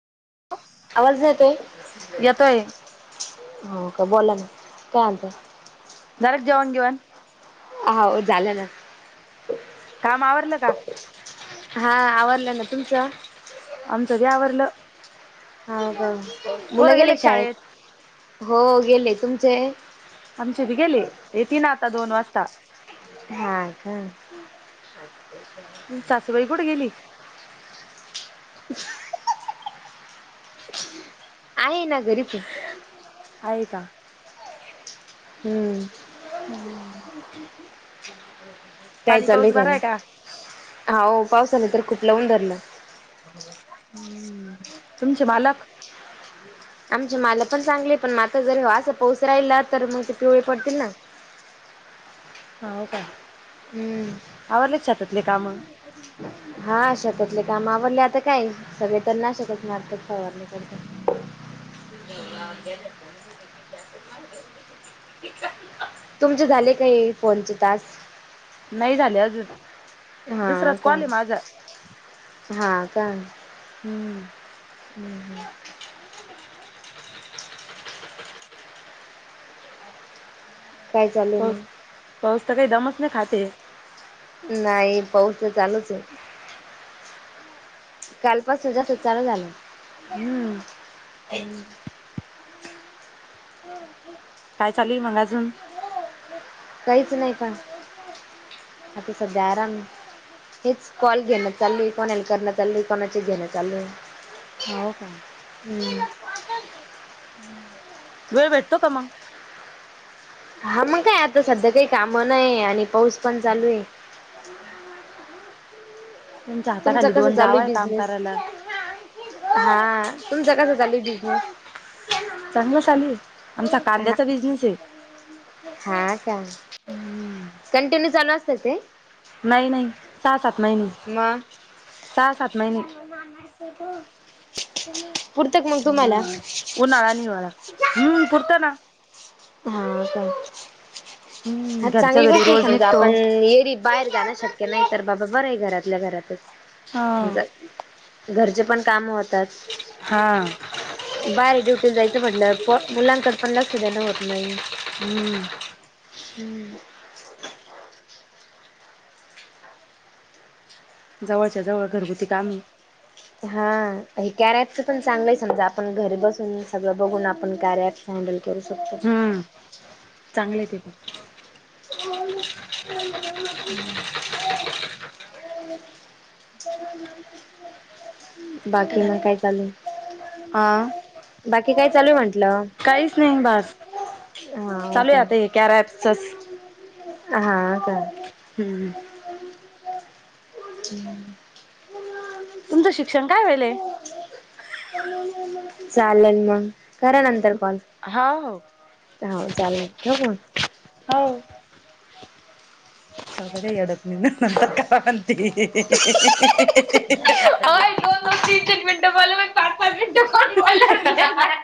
आवाज येतोय? येतोय हो, का? बोला ना. चालतंय. झालं का, जेवण गिवन? हाव. झालं ना. काम आवरलं का? हा आवरंलं नं. तुमचं? आमचं बी आवरलं. ह का? मुलं गेले का शाळेत? हो गेले. तुमचे? आमचे बी गेले. येतीन आता दोन वाजता. हा, का. सासूबाई कुठं गेली? [inaudible] आहे ना. घरीचय. आहे का? हम्म. हम्म. काय चालुय बरा कामं, आहे का हाओ पावसानं तर खूप लाऊन धरलं. [unintelligible] हम्म. तुमचे बालक. आमचे मालं पण चांगले पण म आता जर असं पाऊस राईला तर म ते पिवळे पडतील ना. हा हो का. हम्म. आवरलीत शेतातली कामं. हा शेतातली काम आवरली आता काय सगळे तननाशकच मारतात फवारणी करतात. हा गेल्यात तुमी सगळ्या. तर माझं तुमचे झाले का हे फोन चे टास्क? नई झाले अजून. हा दुसराच का. कॉल आहे माझा हा का हम्म हं हं. काय चालूय पाऊस मंग. पाऊस त काई दमच नई खाते. नाई पाऊस त चालूचे. कालपासुन जास्तंच चालू झालं, हम्म हं. काय चालूय मंग अजून? काहीच नाही मला का बोलायचंय. आता सध्या आरामे. हेच कॉल घेणं चालू ये कोणाला करणं चालू ये कोणाचे घेणं चालूये. हो का हम्म. वेळ भेटतो का मंग. हा मंग काय आता सध्या काई कामं नईये आणि पाऊस पण चालूये. तुमच्या तुमचं हाताखाली कसं दोन जावा चालूय आहे काम बिझनेस? करायला. हा, तुमचा कसा चालूय बिझनेस? चांगला चालूये, आमचा हा कांद्याचा बिझनेसये. हा का, कंटिन्यू चालू असतं ते. नाई नाई सा सात मईने. मग सहा सात मईने, मम्मी मामाशी बोल, घे. पुरतं का मग तुम्हाला? उन्हाळा अन हिवाळा, हं पुरतं ना. हा का. हम्म हा घरच्या चांगली घरी गोष्टय रोज समजा निघतो आपण येरी बाहेर जाणं शक्य् ते नई तर बाबा बरंय घरातल्या घरातच. हा घरचे पण काम होतात. हा. बायेरी ड्युटील जायचं म्हंटलं पो मुलांकड पण लक्ष देणं होत नई. हम्म. हम्म. जवळच्या जवळ घरगुती काम ये. हा हे कॅर ऍप च पण चांगलंय समजा आपण घरी बसून सगळं बघून आपण कार्य ऍप हँडल करू शकतो. चांगलंय ते पण. आलू ले लो‌. [inaudible] [unintelligible] बाकी मंग काय चालू आहे? आ. बाकी काय चालू आहे म्हंटल. काहीच नाही बास. चालू का आता हे कॅर ऍपच च. हा का? हम्म. हम्म. तुम्हीचे शिक्षण काय वायले? चालेल मंग करा नंतर कॉल. हाव. हाव चालेल. ठेऊ फोन. हाव- [inaudible] सगडे येडतनीन म्हणतात काय म्हणतील? होय दोन [unintelligible] दोन तीन- तीन मिनटं बोललात पाच- पाच मिनटं कोण बोलणार नाही.